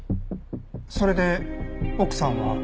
それで奥さんは？